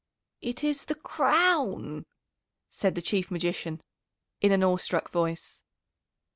"] "It is the Crown," said the Chief Magician, in an awestruck voice.